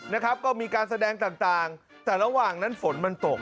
นะครับก็มีการแสดงต่างแต่ระหว่างนั้นฝนมันตก